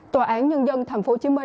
tòa án nhân dân tp hcm